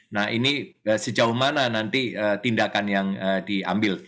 nah ini sejauh mana nanti tindakan yang diambil